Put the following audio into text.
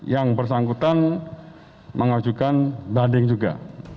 yang bersangkutan mengajukan banding juga